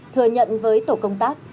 thừa nhận với tổ công tác